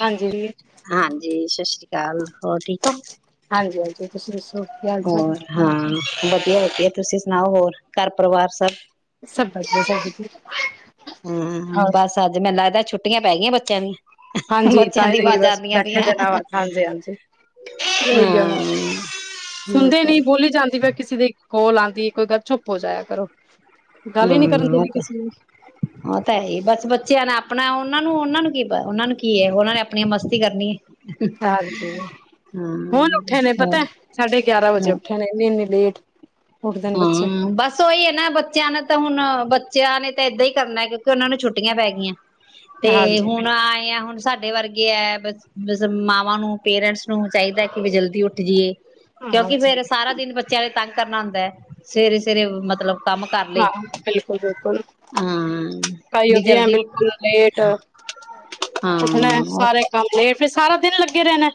ਹਾਂਜੀ ਜੀ ਹਾਂਜੀ, ਸਤਿ ਸ੍ਰੀ ਅਕਾਲ ਹੋਰ ਠੀਕ ਹੋ। ਤੇ ਤੁਸੀ ਦੱਸੋ ਕੀ ਹਾਲ ਚਾਲ? ਹੋਰ ਹਾਂ ਵਧੀਆ, ਵਧੀਆ ਤੁਸੀਂ ਸੁਣਾਓ ਹੋਰ ਘਰ ਪਰਿਵਾਰ ਸਭ ਸਭ ਵਧੀਆ। [unintelligible] ਹੁੰ, ਹੋਰ ਬੱਸ ਅੱਜ ਮੈਨੂੰ ਲੱਗਦਾ ਛੁੱਟੀਆਂ ਪੈ ਗਈਆਂ ਬੱਚਿਆਂ ਦੀਆਂ। ਹਾਂਜੀ ਤਾਂ ਬੱਚਿਆਂ ਹੀ ਦੀ ਤੇ ਇਹ ਵੀ ਆਵਾਜ਼ ਬਸ ਆਦੀਆਂ ਬੈਠੇ ਪਈਆਂ ਦੇ ਨੇਂ ਹਾਂ ਹਾਂਜੀ ਹਾਂਜੀ ਉਹੀ ਯਾਰ ਉਹ ਸੁਣਦੇ ਤਾਂ ਨੀ ਹੈ। ਬੋਲੀ ਜਾਂਦੀ ਮੈਂ ਕਿਸੇ ਦੀ ਕੌਲ ਆ। ਦੀ ਕਈ ਬਾਰ ਚੁੱਪ ਹੋ ਜਾਇਆ ਕਰੋ। ਗੱਲ ਹੀ ਨੀ ਕਰਨ ਹੁੰ ਉਹ ਦੇਣੀ ਤਾ ਕਿਸੇ ਨੂੰ ਉਹ ਤਾਂ ਹੈ, ਹੀ ਬਸ ਬੱਚਿਆਂ ਨਾਲ ਆਪਣਾ ਹੋਂ ਉਹਨਾਂ ਨੂੰ ਉਹਨਾਂ ਨੂੰ ਕੀ ਪਾ ਉਹਨਾਂ ਨੂੰ ਕੀ ਐ ਉਹਨਾਂ ਨੇ ਆਪਣੀਆਂ ਮਸਤੀ ਕਰਨੀ। ਹਾਂਜੀ ਹੁਣ ਹਾਂ ਉੱਠੇ ਨੇ ਹਾਂ ਪਤਾ ਹੈ ਸਾਢੇ ਗਿਆਰਾਂ ਵਜੇ ਉੱਠੇ ਨੇਂ ਉਹ ਵੀ ਇੰਨੀ ਲੇਟ। ਉੱਠਦੇ ਨੇ ਬੱਚੇ ਹਮ ਬਸ ਉਹੀ ਹੈ ਨਾ ਬੱਚਿਆਂ ਨੇ ਤਾਂ ਹੁਣ ਬੱਚਿਆਂ ਨੇ ਤੇ ਇਹਦਾਂ ਹੀ ਕਰਨਾ ਏ ਕਿਉਂਕਿ ਉਹਨਾਂ ਨੂੰ ਛੁੱਟੀਆਂ ਪੈ ਗਈਆਂ। ਤੇ ਹਾਂਜੀ ਹੁਣ ਬਿਲਕੁਲ ਆਏ ਆਂ ਹੁਣ ਸਾਡੇ ਵਰਗੇ ਕੇਆ ਏ ਬਸ, ਬਸ ਮਾਵਾਂ ਨੂੰ ਪੇਰੈਂਟਸ ਨੂੰ ਚਾਹੀਦਾ ਕਿ ਬਈ ਜਲਦੀ ਉੱਠ ਜਾਈਏ। ਕਿਉਂਕਿ ਹਾਂਜੀ ਫੇਰ ਸਾਰਾ ਦਿਨ ਬੱਚਿਆਂ ਤੰਗ ਕਰਨਾ ਹੁੰਦਾ ਹੈ। ਸੁਵੇਰੇ ਸੁਵੇਰੇ ਮਤਲਬ ਕੰਮ ਕਰ ਲਏ ਹਾਂ, ਬਿਲਕੁਲ, ਬਿਲਕੁਲ ਹਾਂ ਕਈ ਵੀ ਹੁੰਦੀ ਐਂ ਜਲਦੀ ਬਿਲਕੁਲ ਲੇਟ ਹਾਂ ਉੱਠਨਾ ਐ ਸਾਰੇ ਕੰਮ ਲੇਫ਼ ਸਾਰਾ ਦਿਨ ਲੱਗੇ ਰਹਿਣਾ ਐ।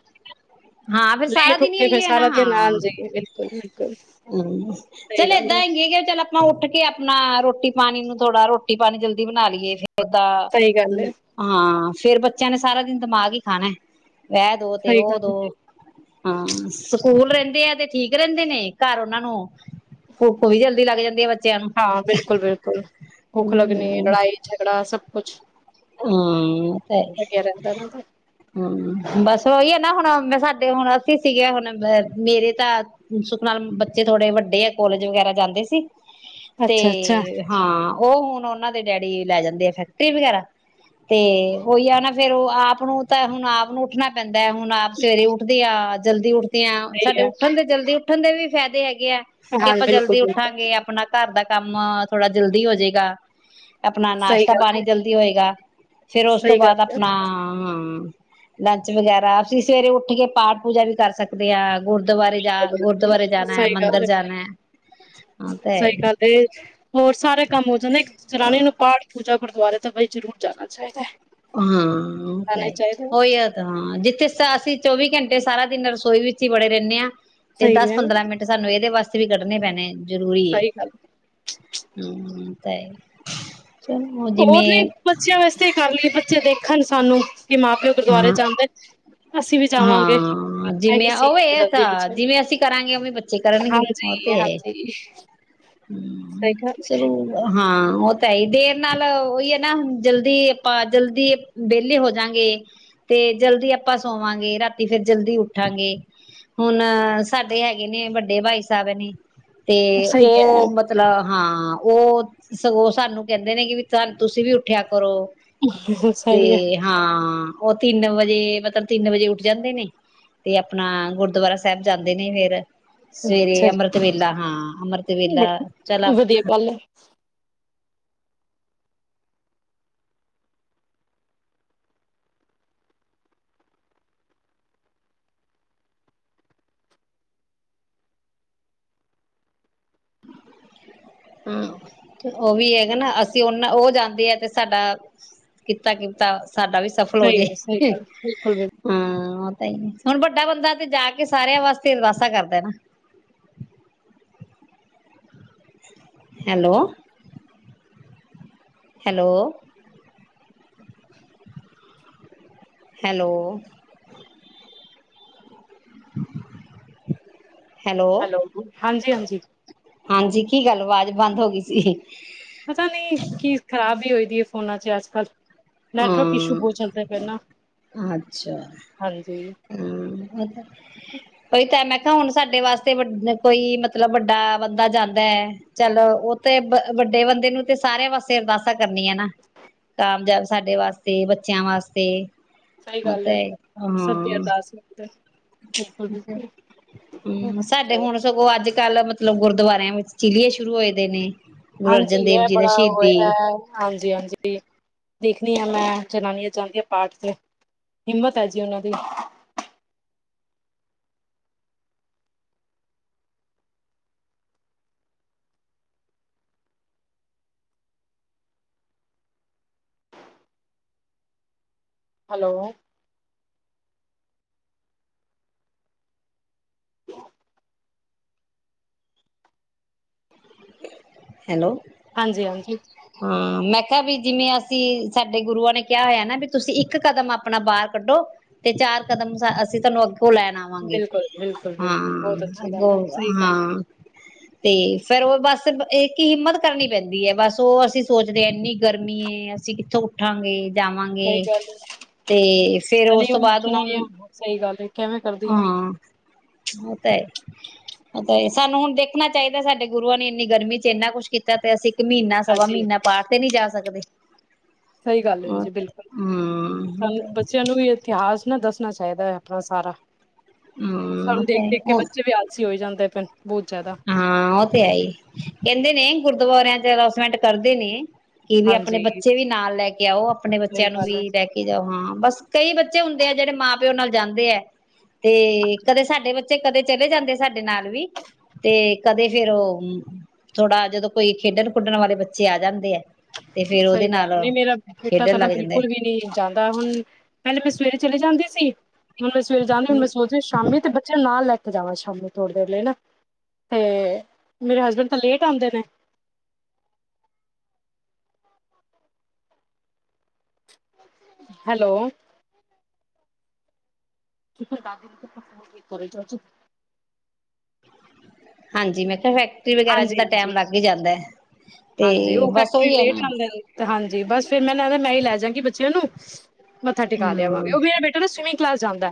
ਹਾਂ ਫੇਰ ਸਾਰਾ ਦਿਨ ਏਹੀ ਹੈ ਨਾ, ਦਿਨ ਆਣ ਹਾਂ ਜਾਈਏ ਬਿਲਕੁਲ ਬਿਲਕੁਲ ਹੂੰ, ਸਹੀ ਚੱਲ ਗੱਲ ਹੈ ਏਦਾਂ ਹੀਗੇ ਕਿ ਚੱਲ ਆਪਾਂ ਉੱਠ ਕੇ ਆਪਣਾ ਰੋਟੀ ਪਾਨੀ ਨੂੰ ਥੋੜਾ ਰੋਟੀ ਪਾਣੀ ਜਲਦੀ ਬਣਾ ਲਈਏ ਫਿਰ ਦਾ ਸਹੀ ਗੱਲ ਹੈ ਹਾਂ ਫੇਰ ਬੱਚਿਆਂ ਨੇ ਸਾਰਾ ਦਿਨ। ਦਿਮਾਗ ਹੀ ਖਾਣਾ ਐ। ਵਹਿ ਦੋ ਤੇ ਸਹੀ ਗੱਲ ਉਹ ਹੈ। ਦੋਵੇ। ਹਾਂ ਸਕੂਲ ਰਹਿੰਦੇ ਆ ਤੇ ਠੀਕ ਰਹਿੰਦੇ ਨੇ ਘਰ ਉਹਨਾਂ ਨੂੰ। ਭੁੱਖ ਵੀ ਜਲਦੀ ਲੱਗ ਜਾਂਦੀ ਆ ਬੱਚਿਆਂ ਨੂੰ, ਹਾਂ ਬਿਲਕੁਲ ਬਿਲਕੁਲ ਭੁੱਖ ਲੱਗਣੀ ਹੂੰ। ਲੜਾਈ ਝਗੜਾ ਸਭ ਕੁਛ ਹੂੰ ਉਹ ਤੇ ਹੈ ਲੱਗਿਆ ਹੀ, ਰਹਿੰਦਾ ਨਾ ਤਾਂ ਹੂੰ, ਬਸ ਉਹੀ ਹੈ ਨਾ ਹੁਣ ਮੈਂ ਸਾ ਹੁਣ ਅਸੀਂ ਸੀਗੇ ਹੁਣ ਮੇਰੇ ਤਾਂ ਸੁੱਖ ਨਾਲ ਬੱਚੇ ਥੋੜੇ ਵੱਡੇ ਆ ਕੋਲੇਜ ਵਗੈਰਾ ਜਾਂਦੇ ਸੀ। ਤੇ ਅੱਛਾ ਅੱਛਾ ਹਾਂ। ਉਹ ਹੁਣ ਉਹਨਾਂ ਦੇ ਡੈਡੀ ਲੈ ਜਾਂਦੇ ਆ ਫੈਕਟਰੀ ਵਗੈਰਾ। ਤੇ ਉਹੀ ਆ ਨਾ ਫੇਰ ਉਹ ਆਪ ਨੂੰ ਤਾਂ ਹੁਣ ਆਪ ਨੂੰ ਉੱਠਣਾ ਪੈਂ ਮੈਂ ਹੁਣ ਆਪ ਸਵੇਰੇ ਉੱਠਦੇ ਆ ਜਲਦੀ ਉਠ ਤੇ ਆਂ ਸਹੀ ਸਾਡੇ ਹੈ ਉੱਠਣ ਦੇ ਜਲਦੀ ਉੱਠਣ ਦੇ ਵੀ। ਫ਼ੈਦੇ ਹੈਗ ਕਿ ਐ ਕਿ ਹਾਂ ਆਪਾਂ ਬਿਲਕੁਲ ਜਲਦੀ ਬਿਲਕੁਲ ਉੱਠਾਂਗੇ ਆਪਣਾ ਘਰ ਦਾ। ਕੰਮ ਥੋੜਾ ਜਲਦੀ ਹੋਜੇਗਾ। ਆਪਣਾ ਸਹੀ ਨਾਸ਼ਤਾ ਗੱਲ ਹੈ ਪਾਣੀ ਜਲਦੀ ਹੋਏ ਫਿਰ ਉਸ ਤੋਂ ਸਹੀ ਗੱਲ ਬਾਅਦ ਹੈ ਆਪਣਾ। ਲੰਚ ਵਗੈਰਾ ਅਸੀਂ ਸਵੇਰੇ ਉੱਠ ਕੇ ਪਾਠ ਪੂਜਾ ਵੀ ਕਰ ਸਕਦੇ ਆ। ਸਹੀ ਗੱਲ ਮੰਦਿਰ ਏ, ਜਾਣਾ ਹੈ ਹਾਂ ਤਾਂ ਹੈ ਸਹੀ ਹੀ ਗੱਲ ਏ, ਹੋਰ ਸਾਰੇ ਕੰਮ ਹੋ ਜਾਂਦੇ ਇੱਕ ਜਨਾਨੀ ਨੂੰ ਪਾਠ ਪੂਜਾ ਗੁਰਦੁਆਰੇ ਤਾਂ ਬਈ ਜ਼ਰੂਰ ਜਾਣਾ ਚਾਹੀਦਾ ਐ। ਹਾਂ ਤਾਂਹੀ ਹੋਏ ਜਾਤਾ ਹਾਂ ਦ ਇਥੇ ਅਸੀਂ ਚੌਵੀ ਘੰਟੇ ਸਾਰਾ ਦਿਨ ਰਸੋਈ ਵਿੱਚ ਹੀ ਬੜੇ ਰਹਿੰਨੇ ਆਂ। ਤੇ ਸਹੀ ਦਸ ਹੈ ਪੰਦਰਾਂ ਮਿੰਟ ਸਾਨੂੰ ਇਹਦੇ ਵਾਸ ਇਥੋਂ ਵੀ ਕੱਢਣੇ ਪੈਣੇ ਐ। ਜ਼ਰੂਰੀ ਏ ਸਹੀ ਗੱਲ ਹੂੰ। ਤੇ ਹੋਰ ਨਹੀਂ ਬੱਚਿਆਂ ਵਾਸਤੇ ਹੀ ਕਰ ਲਈਏ ਤੇ ਵੇਖਨ ਸਾਨੂੰ। ਕਿ ਮਾਂ ਪਿਓ ਗੁਰਦੁਆਰੇ ਹਾਂ ਜਾਂਦੇ ਅਸੀਂ ਵੀ ਜਾਵਾਂਗੇ ਹਾਂ ਜਿਵੇਂ ਇਹੀ ਸੀ ਉਹ ਮਿਲ ਇਹ ਜਾਂਦੀ ਤਾਂ ਪਿੱਛੇ ਜਿਵੇਂ ਅਸੀਂ ਕਰਾਂਗੇ ਉਵੇਂ ਬੱਚੇ ਹਾਂਜੀ ਹਾਂਜੀ ਹਮ ਸਹੀ ਗੱਲ ਚਲੋ ਹਾਂ ਉਹ ਤਾਂ ਹੈ ਹੀ, ਦੇਰ ਨਾਲ ਉਹੀ ਹੈ ਨਾ ਜਲਦੀ ਆਪਾਂ ਜਲਦੀ ਵਿਹਲੇ ਹੋਜਗੇ ਤੇ ਜਲਦੀ ਆਪਾਂ ਸੋਵਾਂਗੇ, ਰਾਤੀ ਫੇਰ ਜਲਦੀ ਉੱਠਾਂਗੇ ਹੁਣ ਸਾਡੇ ਹੈਗੇ ਨੇ ਵੱਡੇ ਭਾਈ ਸਾਹਿਬ ਨੇ ਤੇ ਸਹੀ ਹੈ ਉਹ ਮਤਲਬ ਹਾਂ ਉਹ ਸਗੋਂ ਸਾਨੂੰ ਕਹਿੰਦੇ ਨੇ ਕਿ ਵੀ ਤੁਸੀਂ ਵੀ ਉੱਠਿਆ ਕਰੋ ਤੇ ਸਹੀ ਹੈ ਹਾਂ। ਉਹ ਤਿੰਨ ਵਜੇ ਮਤਲਬ ਤਿੰਨ ਵਜੇ ਉੱਠ ਜਾਂਦੇ ਨੇ ਤੇ ਆਪਣਾ ਗੁਰਦੁਆਰਾ ਸਾਹਿਬ ਜਾਂਦੇ ਨੇ ਫਿਰ। ਸਵੇਰੇ ਅੱਛਾ ਅੰਮ੍ਰਤ ਵੇਲਾ ਹਾਂ ਅਮ੍ਰਤ ਵਧੀਆ ਗੱਲ ਹੈ ਹੂੰ, ਉਹ ਵੀ ਹੈਗਾ ਨਾ ਅਸੀਂ ਉਹਨਾ ਉਹ ਜਾਣਦੇ ਆ ਤੇ ਸਾਡਾ ਕੀਤਾ, ਕੀਤਾ ਸਾਡਾ ਵੀ ਸਫਲ ਸਹੀ ਹੋਜੇ ਹੈ ਸਹੀ ਗੱਲ ਬਿਲਕੁਲ ਬਿਲਕੁਲ ਹਾਂ ਹੁਣ ਵੱਡਾ ਬੰਦਾ ਤੇ ਜਾ ਕੇ ਸਾਰਿਆਂ ਵਾਸਤੇ ਅਰਦਾਸਾਂ ਕਰਦਾ ਨਾ ਹੈਲੋ ਹੈਲੋ। ਹੈਲੋ [inaudible] ਹੈਲੋ ਹਾਂਜੀ ਹਾਂਜੀ ਹਾਂਜੀ ਕੀ ਗੱਲ? ਆਵਾਜ਼ ਬੰਦ ਹੋ ਗਈ ਸੀ। ਪਤਾ ਨੀ ਕੀ ਖ਼ਰਾਬ ਹੀ ਹੋਈ ਫੋਨਾਂ ਚ ਅੱਜ ਕੱਲ੍ਹ ਆਂ ਅੱਛਾ ਹ ਹਾਂਜੀ ਪਈ ਤਾਂ [unintelligible] ਤਾ ਹੁਣ ਸਾਡੇ ਵਾਸਤੇ ਕੋਈ ਮਤਲਬ ਵੱਡਾ ਬੰਦਾ ਜਾਂਦਾ ਹੈ, ਚੱਲ ਉਹ ਤੇ ਵੱਡੇ ਬੰਦੇ ਨੂੰ ਤੇ ਸਾਰਿਆਂ ਵਾਸਤੇ ਅਰਦਾਸਾਂ ਕਰਨੀ ਹੈ ਨਾ, ਕਾਮਯਾਬ ਸਾਡੇ ਵਾਸਤੇ, ਬੱਚਿਆਂ ਵਾਸਤੇ। ਸਹੀ ਉਹ ਗੱਲ ਤਾਂ ਏ, ਹੈ ਸਭ ਦੀ ਹਾਂ। ਅਰਦਾਸ [unintelligible] ਬਿਲਕੁਲ ਬਿਲਕੁਲ ਹੂੰ, ਸਾਡੇ ਹੁਣ ਸਗੋਂ ਅੱਜ ਕੱਲ੍ਹ ਮਤਲਬ ਗੁਰਦੁਆਰਿਆਂ ਵਿੱਚ ਚੀਲੀਏ ਸ਼ੁਰੂ ਹੋਏ ਦੇ ਨੇ ਗੁਰੂ ਹਾਂਜੀ ਅਰਜਨ ਦੇਵ ਇਹ ਜੀ ਦਾ ਬੜਾ ਸ਼ਹੀਦੀ ਹੋਯਾ ਹੈ ਹਾਂਜੀ ਜ ਹਾਂਜੀ ਦੇਖਣੀ ਹ ਮੈਂ ਜਨਾਨੀ ਆ ਚਾਹਦੀ ਹਾਂ ਪਾਠ ਤੇ ਹਿੰਮਤ ਹੈ ਜੀ ਉਹਨਾਂ ਦੀ ਹੈਲੋ। [unintelligible] ਹੈਲੋ ਹਾਂਜੀ ਹਾਂਜੀ ਹਾਂ ਮੈਂ ਵੀ ਜਿਵੇਂ ਅਸੀਂ ਸਾਡੇ ਗੁਰੂਆਂ ਨੇ ਕਿਹਾ ਹੋਇਆ ਨਾ ਵੀ ਤੁਸੀਂ ਇੱਕ ਕਦਮ ਆਪਣਾ ਬਾਹਰ ਕੱਢੋ ਤੇ ਚਾਰ ਕਦਮ ਅਸੀਂ [unintelligible] ਲੈਣ ਆਵਾਂਗੇ ਹਾਂ ਬਿਲਕੁਲ-ਬਿਲਕੁਲ-ਬਿਲਕੁਲ ਬਹੁਤ ਅੱਛੀ ਅੱਗੋਂ ਗੱਲ ਐ, ਸਹੀ ਗੱਲ ਐ। ਹਾਂ ਤੇ ਫੇਰ ਉਹ ਬਸ ਸਿਰਫ ਇੱਕ ਕੀ ਹਿੰਮਤ ਕਰਨੀ ਪੈਂਦੀ ਹੈ ਬਸ ਉਹ ਅਸੀਂ ਸੋਚਦੇ ਹਾਂ ਇੰਨੀ ਗਰਮੀ ਅਸੀਂ ਕਿੱਥੋਂ ਉੱਠਾਂਗੇ ਸਹੀ ਜਾਵਾਂਗੇ ਗੱਲ ਐ, ਤੇ ਫੇਰ ਉਸ ਚਲੀਓ ਤੋਂ ਬਾਅਦ ਸੁਣਾਈਆਂ ਹੁਣ ਸਹੀ ਗੱਲ ਐ, ਕਿਵੇਂ ਕਰਦੀਆਂ ਹਾਂ [inaudible] ਉਹ ਤਾਂ ਹੈ। ਤੇ ਸਾਨੂੰ ਹੁਣ ਦੇਖਣਾ ਚਾਹੀਦਾ ਸਾਡੇ ਗੁਰੂਆਂ ਨੇ ਇੰਨੀ ਗਰਮੀ ਚ ਇੰਨਾ ਕੁਛ ਕੀਤਾ ਤੇ ਅਸੀਂ ਤੇ ਮਹੀਨਾ ਸਵਾ ਹਾਂਜੀ। ਮਹੀਨਾ ਪਾਠ ਤੇ ਨਹੀਂ ਜਾ ਸਕਦੇ। ਸਹੀ ਗੱਲ ਹੈ ਹੂੰ ਜੀ ਬਿਲਕੁਲ ਹੂੰ ਸਾਨੂੰ ਬੱਚਿਆਂ ਨੂੰ ਵੀ ਇਤਿਹਾਸ ਨਾ ਦੱਸਣਾ ਚਾਹੀਦਾ ਚਾਹੀਦਾ ਅਪਣਾ ਸਾਰਾ ਸਾਨੂੰ ਦੇਖ ਦੇਖ ਕੇ ਹੂੰ ਬੱਚੇ ਵੀ ਆਲਸੀ ਹੋਈ ਜਾਂਦੇ ਫ ਹਾਂ ਉਹ ਤੇ ਹੈ ਹੀ, ਕਹਿੰਦੇ ਨੇ ਗੁਰਦੁਆਰਿਆਂ ਚ ਅੱਲਾਓਸਮੇਂਟ ਕਰਦੇ ਨੇ ਕਿ ਵੀ ਆਪਣੇ ਹਾਂਜੀ ਬੱਚੇ ਵੀ ਨਾਲ ਲੈ ਕੇ ਆਓ ਆਪਣੇ ਸਹੀ ਬੱਚਿਆਂ ਨੂੰ ਵੀ ਗੱਲ ਐ। ਲੈ ਕੇ ਜਾਓ ਹਾਂ ਬਸ ਕਈ ਬੱਚੇ ਹੁੰਦੇ ਆ ਜਿਹੜੇ ਮਾਂਪ ਪਿਓ ਨਾਲ ਜਾਂਦੇ ਹੈ, ਤੇ ਕਦੇ ਸਾਡੇ ਬੱਚੇ ਕਦੇ ਚਲੇ ਜਾਂਦੇ ਸਾਡੇ ਨਾਲ ਵੀ। ਤੇ, ਕਦੇ ਫੇਰ ਉਹ ਥੋੜਾ ਜਦੋਂ ਕੋਈ ਖੇਡਣ-ਕੁੜਣ ਵਾਲੇ ਬੱਚੇ ਆ ਜਾਂਦੇ ਏ। ਸਹੀ ਗੱਲ, ਨਹੀਂ ਮੇਰਾ ਬੇਟਾ ਖੇਡਣ ਤਾਂ ਨਾ ਲੱਗ ਜਾਂਦੇ ਬਿਲਕੁਲ ਵੀ ਨੀ ਜਾਂਦਾ ਹੁਣ, ਪਹਿਲੇ ਮੈਂ ਸਵੇਰੇ ਚਲੇ ਜਾਂਦੀ ਸੀ ਹੁਣੈਂ ਸਵੇਰ ਜਾਂਦੀ ਹੁ ਮੈਂ ਸੋਚਦੀ ਸ਼ਾਮੀ ਤੇ ਬੱਚੇ ਨਾਲ ਲੈ ਕ ਜਾਵਾਂ ਸ਼ਾਮੀ ਥੋੜ੍ਹੀ ਦੇਰ ਲੈ ਨਾ ਤੇ ਮੇਰੇ ਹਸਬੈਂਡ ਤਾਂ ਲੇਟ ਆਉਂਦੇ ਨੇ। ਹੈਲੋ ਕਿ [unintelligible] ਹਾਂਜੀ ਮੈਂ [unintelligible] ਫੈਕਟਰੀ ਵਗੈਰਾ ਚ ਤਾਂ ਟੈਮ ਲੱਗ ਹੀ ਜਾਂਦਾ ਹੈ। ਤੇ ਹਾਂਜੀ ਉਹ ਬਸ ਫੈਕਤਰੀਓ ਉਹੀ ਹੈ ਲੇਟ ਨਾ ਆਂਦਾ, ਹਾਂਜੀ ਜੀ ਬਸ ਫੇਿਰ ਮੈਂ ਲ ਕਹਿੰਦਾ ਮੈਂ ਹੀ ਲੈਜਗੀ ਬੱਚਿਆਂ ਨੂੰ ਮੱਥਾ ਟੇਕਾ ਲੇਆਵਾਂਗੇ, ਹਮ ਉਹ ਵੀੇ ਏ ਬੇਟਾ ਨਾ ਸਵਿੰ [unintelligible] ਜਾਂਦਾ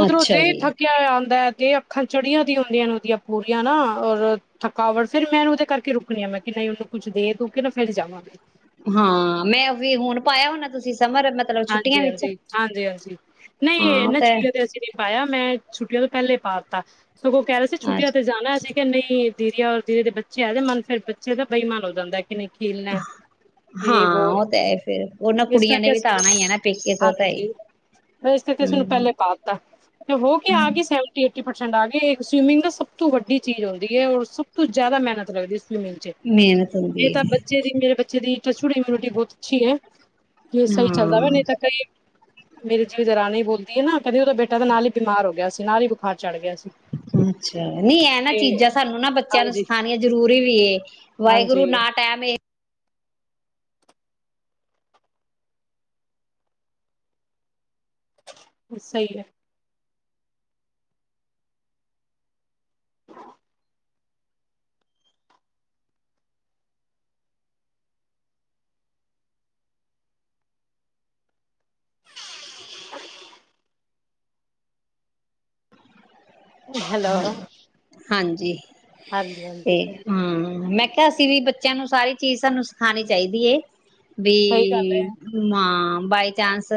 ਉਧਰੋਂ ਅੱਛਾ ਦੇਹ ਜੀ ਥੱਕਿਆ ਹੋਇ ਆਂਦਾ ਤੇਹ ਖਚੜੀਆਂ ਦੀ ਹੁੰਦੀਆਂ ਨੇ ਉਹਦੀਆਂ ਪੂਰੀਆਂ ਨਾ ਔਰ ਥਕਾਵਟ ਫੇਿਰ ਮੈਂਨੂੰ ਉਹਦੇ ਕਰਕੇ ਰੁਕਣੀਆਂ ਮੈਂ ਕਿ ਨਹੀਂ ਉਹਨੂੰ ਕੁੱਛ ਦੇ ਦੂ ਕੇ ਨਾ ਫਿਰ ਜਾਵਾਂਗੇ ਹਾਂ ਮੈਂ ਵੀ ਹੁਣ ਪਾਇਆ ਹੋਣਾ ਤੁਸੀਂ ਸਮਰ ਮਤਲਬ ਛੁੱਟੀਆਂ ਵਿੱਚ ਹਾਂਜੀ-ਹਾਂਜੀ, ਹਾਂਜੀ-ਹਾਂਜੀ, ਨਹੀਂ ਹਾਂ ਉਹ ਇਹਨਾਂ ਹੈ ਛੁਟੀਆਂ ਤੇ ਅਸੀਂ ਨਹੀਂ ਪਾਇਆ ਮੈਂ ਛੁੱਟੀਆਂ ਤੋਂ ਪਹਿਲੇ ਪਾ ਤਾ। ਸਗੋਂ ਕਹਿ ਰਹੇ ਸੀ ਛੱਟੀਆਂ ਅੱਛਾ ਤੇ ਜਾਣਾ ਅਸੀਂ। ਕਿ ਨਹੀਂ ਦੀਦੀ ਔਰ ਦੀਦੀ ਦੇ ਬੱਚੇ ਹੈ ਵੇ, ਮਨ ਫਿਰ ਬੱਚੇ ਦਾ ਬੇਈਮਨ ਹੋ ਜਾਂਦਾ ਕਿ ਨਹੀਂ। ਖੇਲਣਾ ਯੇ ਵੋ ਹਾਂ ਉਹ ਤੇ ਹੈ ਫੇਰ ਉਹਨਾਂ ਇਸ ਕੁੜੀਆਂ ਨੇ ਕਰਕੇ ਵੀ ਤਾਂ ਅਸੀਂ ਆਣਾ ਹੀ ਹੈ ਨਾ ਪੇਕੇ ਤੋਂ ਹਾਂਜੀ ਤਾਂ ਹੀ ਜੀ, ਮੈਂ ਇਸ ਤੇ ਤੇ ਹੂੰ ਪਹਿਲੇ ਪਾ ਤਾ, ਤੇ ਹੋ ਕੇ ਆ ਗੀ ਸੀ ਸੈਵੈਂਟੀ ਐਟੀ। [unintelligible] ਆਗੀ ਇੱਕ ਸਵਿਮਿੰਗ ਨਾ ਸਭ ਤੋਂ ਵੱਡੀ ਚੀਜ਼ ਹੁੰਦੀ ਏ ਔਰ ਸਭ ਤੋਂ ਜ਼ਿਆਦਾ ਮਿਹਨਤ ਲੱਗਦੀ ਸਵਿਮਿੰਗ ਚ, ਮਿਹਨਤ ਇਹ ਹੁੰਦੀ ਤਾਂ ਹੈ ਬੱਚੇ ਦੀ, ਮੇਰੇ ਬੱਚੇ ਦੀ ਟਚਵੁਡ [unintelligible] ਬਿ੍ਯੂਟੀ ਬਹੁਤ ਅੱਛੀ ਹੈ। ਕੀ ਸਹੀ ਚੱਲਦਾ ਵਾ ਹਾਂ ਨਹੀਂ ਤਾਂ ਕਈ ਮੇਰੀ ਜੇਹੜੀ ਦਰਨੀ ਬੋਲਦੀ ਹੈ ਨਾ, ਕਹਿੰਦੇ ਉਹਦਾ ਬੇਟਾ ਤਾਂ ਨਾਲ ਹੀ ਬਿਮਾਰ ਹੋ ਗਿਆ ਸੀ, ਨਾਲ ਹੀ ਬੁਖਾਰ ਚੜ ਗਿਆ ਸੀ। ਅੱਛਾ, ਨੀ ਇਹ ਨਾ ਤੇ ਚੀਜ਼ਾਂ ਸਾਨੂੰ ਨਾ ਬੱਚਿਆਂ ਨੂੰ ਹਾਂਜੀ ਸਿਖਾਨਿਆ ਜਰੂਰੀ ਵੀ ਇ, ਹਾਂਜੀ ਵਾਹਿਗੁਰੂ ਨਾ ਟੈਮ ਇਹ ਸਹੀ ਹੈ। [unintelligible] ਹੈਲੋ। ਹਾਂਜੀ। ਹਾਂਜੀ ਹਾਂਜੀ ਤੇ ਹੂੰ, ਮੈਂ। ਮੈਂ ਕਹਿਆ ਅਸੀਂ ਵੀ ਬੱਚਿਆਂ ਨੂੰ ਸਾਰੀ ਚੀਜ਼ ਸਾਨੂੰ ਸਿਖਾਉਣੀ ਚਾਹੀਦੀ ਏ। ਵੀ, ਸਹੀ ਗੱਲ ਹੈ ਮਾ ਬਾਈ ਚਾਂਸ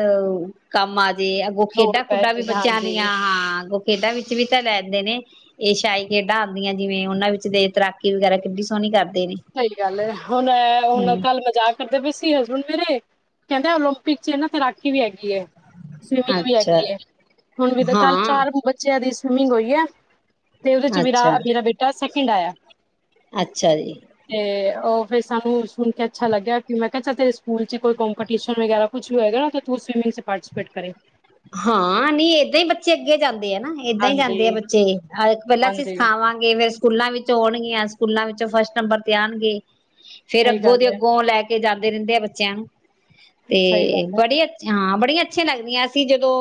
ਕੰਮ ਆ ਤੇ ਅੱਗੋਂ ਲੋੜ ਖੇਡਾਂ ਪੈ ਖੁਡਾਂ ਵੀ ਜੇ ਬੱਚਿਆਂ ਹਾਂਜੀ ਦੀਆਂ ਹਾਂ ਅੱਗੋ ਕਿਦਾ ਵਿੱਚ ਵੀ ਤਾਂ ਲੈਂਦੇ ਨੇ, ਏ ਸ਼ਾਹੀ ਖੇਡਾਂ ਆਂਦੀਆਂ ਜਿਵੇਂ ਉਹਨਾਂ ਵਿੱਚ ਤੇ ਤਰਾਕੀ ਵਗੈਰਾ ਕਿੱਡੀ ਸੋਹਣੀ ਕਰਦ ਸਹੀ ਗੱਲ ਏ ਹੁਣ ਹੁਣ ਕੱਲ ਮਜ਼ਾਕ ਕਰਦੇ ਪਏ ਸੀ ਹਸਬੈਂਡ [unintelligible] ਕਹਿੰਦੇ ਓਲੰਪਿਕ ਚ ਨਾ ਤੈਰਾਕੀ ਵੀ ਹੈਗੀ ਐ। ਸਵਿਮਿੰਗ ਵੀ ਅੱਛਾ ਹੈਗੀ ਐ, ਹੁਣ ਵੀ ਤਾਂ ਕੱਲ ਹਾਂ ਚਾਰ ਬੱਚਿਆਂ ਦੀ ਸਵਿਮਿੰਗ ਹੋਈ ਹੈ ਤੇ ਉਹਦੇ 'ਚ ਮੇਰਾ ਅੱਛਾ ਮੇਰਾ ਬੇਟਾ ਸੈਕਿੰਡ ਆਇਆ। ਅੱਛਾ ਜੀ। ਤੇ ਉਹ ਫਿਰ ਸਾਨੂੰ ਸੁਣ ਕੇ ਅੱਛਾ ਲੱਗਿਆ, ਮੈਂ ਕਿਹਾ ਚਲ ਤੇਰੇ ਸਕੂਲ 'ਚ ਕੋਈ ਕੋਮਪੀਟਿਸ਼ਨ ਵਗਰਾ ਕੁਛ ਵੀ ਹੋਏਗਾ ਤੂੰ ਸਵੀਮਿੰਗ ਚ ਪਾਰਟੀਸਿਪੇਟ ਕਰੀਂ। ਹਾਂ ਨੀ ਏਦਾਂ ਹੀ ਬੱਚੇ ਅੱਗੇ ਜਾਂ ਤੇ ਹੈਨਾ, ਏਦਾਂ ਹੀ ਹਾਂਜੀ, ਜਾਂਦੇ ਆ ਬੱਚੇ, ਅ ਪਹਿਲਾਂ ਅਸੀਂ ਹਾਂਜੀ ਸਿਖਾਵਾਂਗੇ ਫੇਰ ਸਕੂਲਾਂ ਵਿੱਚ ਹੋਣਗੀਆਂ ਸਕੂਲਾਂ ਵਿੱਚ ਫਸਟ ਨੰਬਰ ਤੇ ਆਣਗੇ। ਫੇਰ ਸਹੀ ਅੱਗੋਂ ਦੇ ਗੱਲ ਐ, ਅੱਗੋਂ ਲੈ ਕੇ ਜਾਂਦੇ ਰਹਿੰਦੇ ਆ ਬੱਚਿਆਂ ਨੂੰ। ਤੇ ਸਹੀ ਗੱਲ ਐ, ਬੜੀ ਅ ਹਾਂ। ਬੜੀਆਂ ਅੱਛੀਆਂ ਲੱਗਦੀਆਂ। ਜਦੋਂ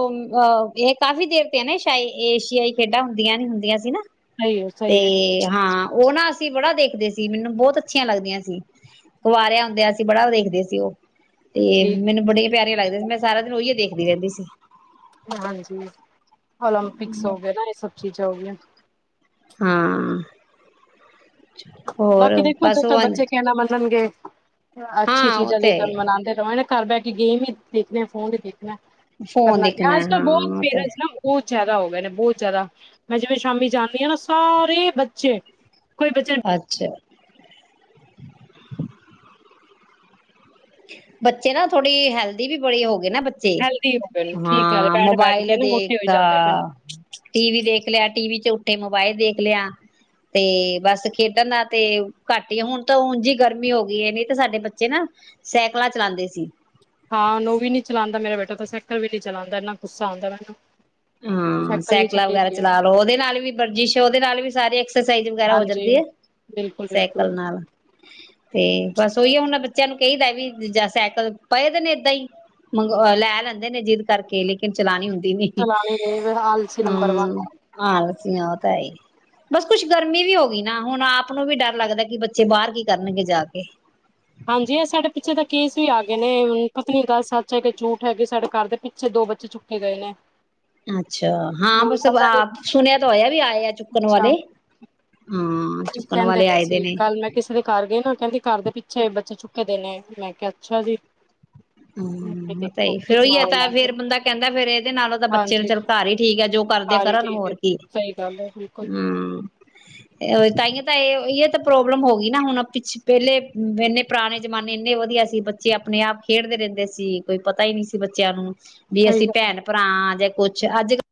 ਅਹ ਇਹ ਕਾਫ਼ੀ ਦੇਰ ਤੇ ਹੈ ਨਾ ਸ਼ਾਇ ਏਸ਼ੀਆਈ ਖੇਡਾਂ ਹੁੰਦੀਆਂ ਨੀ ਹੁੰਦੀਆਂ ਸੀ ਨਾ ਸਹੀ ਐ, ਤੇ ਸਹੀ ਐ। ਹਾਂ ਉਹ ਨਾ ਅਸੀਂ ਬੜਾ ਦੇਖਦੇ ਸੀ ਮੈਨੂੰ ਬਹੁਤ ਅੱਛੀਆਂ ਲੱਗਦੀਆਂ ਸੀ ਕੁਵਾਰਿਆ ਹੁੰਦਿਆਂ ਸੀ ਬੜਾ ਵੇਖਦੇ ਸੀ ਉਹ ਤੇ ਠੀਕ ਮੈਨੂੰ ਬੜੇ ਪਿਆਰੇ ਲੱਗਦੇ ਸੀ, ਹੈ। ਮੈਂ ਸਾਰਾ ਦਿਨ ਉਹੀਏ ਦੇਖ ਰਹਿੰਦੀ ਸੀ। ਹਾਂਜੀ [unintelligible] ਓਲੰਪਿਕਸ ਹੋ ਗਏ ਨ ਇਹ ਸਭ ਚੀਜ਼ਾਂ ਹੋ ਗਈਆਂ। ਹਾਂ। ਹੋਰ ਬਾਕੀ ਦੇਖੋ ਬਸ ਜਦ ਤ ਉਹ ਬੱਚੇ ਕਹਿਣਾ ਮੰਨਣਗੇ ਅੱਛੀ ਹਾਂ ਉਹ ਚੀਜ਼ਾਂ ਲਈ ਤੇ ਤਾਂ ਮਨਾਉਂਦੇ ਰਵਾ ਘਰ ਬਹਿ ਕੇ ਗੇਮ ਹੀ ਦੇਖਦੇ ਆ ਫੋਨ ਹੀ ਦੇਖ [inaudible] ਫੋਨ ਦੇਖਣਾ ਅਜ ਕਲ ਹਾਂ ਬਹੁਤ ਤੇ ਪੇਰੈਂਟਸ ਉਹ ਬਹੁਤ ਜ਼ਿਆਦਾ ਹੋ ਗਏ ਨੇ ਬਹੁਤ ਜਿਆਦਾ ਮੈਂ ਜਿਵੇਂ ਸ਼ਾਮੀ ਜਾਦੀ ਹਾਂ ਨਾ ਸਾਰੇ ਬੱਚੇ ਕੋਈ ਬੱਚੇ ਅੱਛਾ ਬੱਚੇ ਨਾ ਥੋੜੀ ਹੈਲਦੀ ਵੀ ਬੜੀ ਹੋ ਨਾ ਬੱਚੇ ਹੈਲਦੀ ਹੋ ਗਏ ਨੇ ਠੀਕ ਗੱਲ ਹਾਂ ਬੈਠ-ਬੈਠ ਮੋਬਾਇਲ ਕੇ ਨਾ ਮੋਟੇ ਹੋਈ ਦੇਖਦਾ ਜਾਂਦੇ ਪਏ ਨੇ। ਟੀਵੀ ਦੇਖ ਲਿਆ ਟੀਵੀ ਉੱਠੇ ਮੋਬਾਇਲ ਦੇਖ ਲਿਆ ਤੇ ਬਸ ਖੇਡਣਾ ਤੇ ਘੱਟ ਹੀ ਹੁਣ ਤਾਂ ਉ ਜਿ ਗਰਮੀ ਹੋ ਗਈ ਹੈ ਨਹੀਂ ਤੇ ਸਾਡੇ ਬੱਚੇ ਨਾ ਸਾਈਕਲਾਂ ਚਲਾਉਂਦੇ ਸੀ। ਹਾਂ ਉਹ ਵੀ ਨੀ ਚਲਾਉਂਦਾ ਮੇਰਾ ਬੇਟਾ ਤਾਂ ਸਾਈਕਲ ਵੀ ਨਹੀਂ ਚਲਾਉਂਦਾ ਇੰਨਾ ਗੁੱਸਾ ਆਉਂਦਾ ਮੈਨੂੰ। ਹਾਂ ਸਾਈਕਲ ਵੀ ਸਾਈਕਲਾਂ ਛੱਡੀ ਵਗੈਰਾ ਦੀ ਐ ਚਲਾ ਲੋ ਉਹਦੇ ਨਾਲ ਵੀ ਵਰਜਿਸ਼ ਉਹਦੇ ਨਾਲ ਵੀ ਸਾਰੀ ਐਕਸਰਸਾਈਜ਼ ਵਗੈਰਾ ਹੋ ਹਾਂਜੀ ਜਾਂਦੀ ਹੈ। ਬਿਲਕੁਲ-ਬਿਲਕੁਲ। ਸਾਈਕਲ ਨਾਲ ਤੇ ਬਸ ਉਹੀ ਹੁਣ ਬੱਚਿਆਂ ਨੂੰ ਕਹੀਦਾ ਵੀ ਜਾ ਸਾਈਕਲ ਪਏ ਦੇ ਨੇ ਏਦਾਂ ਹੀ, ਮੰਗਵਾ, ਲੈ ਲੈਂਦੇ ਨੇ ਜਿਦ ਕਰਕੇ ਲੇਕਿ ਤੇ ਚਲਾਉਣੀ ਹੁੰਦੀ ਨੀ। ਚਲਾਣੇ ਨੇ ਆਲਸੀ ਨੰਬਰ ਹਮ ਵਨ ਤਾਂ ਹੀ ਬਸ ਕੁਛ ਗਰਮੀ ਵੀ ਹੋ ਗਈ ਨਾ ਹੁਣ ਆਪ ਨੂੰ ਵੀ ਡਰ ਲੱਗਦਾ ਕਿ ਬੱਚੇ ਬਾਹਰ ਕੀ ਕਰਨਗੇ ਜਾ ਕੇ। ਹਾਂਜੀ ਇਹ ਸਾਡੇ ਪਿੱਛੇ ਤਾਂ ਕੇਸ ਵੀ ਆ ਗਏ ਨੇ ਹੁਣ ਪਤਾ ਨੀ ਗੱਲ ਸੱਚ ਹੈ ਕੇ ਝੂਠ ਹੈ, ਸਾਡੇ ਘਰ ਦੇ ਪਿੱਛੇ ਦੋ ਬੱਚੇ ਚੁੱਕੇ ਗਏ ਨੇ। ਅੱਛਾ, ਹਾਂ ਹੁਣ ਬਸ ਪਤਾ ਨੀ ਆਪ ਸੁਣਿਆ ਤਾਂ ਹੋਇਆ ਵੀ ਆਏ ਆ ਚੁੱਕਣ ਵਾਲੇ ਹਾਂ ਕੀ ਚੁੱਕਣ ਕਹਿੰਦੇ ਵਾਲੇ ਪਏ ਆਏ ਦੇ ਸੀ ਨੇ ਕੱਲ ਮੈਂ ਕਿਸੇ ਦੇ ਘਰ ਗਈ ਨਾ ਕਹਿੰਦੀ ਘਰ ਦੇ ਪਿੱ ਛੇ ਬੱਚੇ ਚੁੱਕੇ ਗਏ ਨੇ, ਮੈਂ ਕਿਹਾ ਅੱਛਾ ਜੀ। ਮੈਂ ਕਿਹਾ ਹਮ ਤੇ ਦੇਖੋ ਹੀ ਫੇਰ ਕੀ ਉਹੀ ਹੈ ਮਾਹੌਲ ਤਾਂ ਆ ਫੇਰ ਗਿਆ। ਬੰਦਾ ਕਹਿੰਦਾ ਫੇਰ ਇਹਦੇ ਨਾਲੋ ਤਾਂ ਬੱਚੇ ਹਾਂਜੀ ਚੱਲ ਘਰ ਹੀ ਠੀਕ ਆ ਜੋ ਕਰਦੇ ਆ ਸਾਰੇ ਕਰਨ ਠੀਕ ਹੋਰ ਹੈ, ਕੀ ਸਹੀ ਗੱਲ ਹੈ ਬਿਲਕੁਲ, ਹੁੰ ਤਾਂਹੀ ਤਾਂ ਇਹ ਇਹ ਤਾਂ ਪ੍ਰੋਬਲਮ ਹੋ ਗਈ ਨਾ ਹੁਣ ਪਿੱਛ ਪਹਿਲੇ ਇੰਨੇ ਪੁਰਾਣੇ ਜਮਾਨੇ ਇੰਨੇ ਵਧੀਆ ਸੀ ਬੱਚੇ ਆਪਣੇ ਆਪ ਖੇਡਦੇ ਰਹਿੰਦੇ ਸੀ ਕੋਈ ਪਤਾ ਹੀ ਨਹੀਂ ਸੀ ਬੱਚਿਆਂ ਨੂੰ ਵੀ ਸਹੀ ਅਸੀਂ ਗੱਲ ਭੈਣ ਭਰਾ ਹਾਂ ਜਾਂ ਕੁਛ ਅੱਜ ਕੱ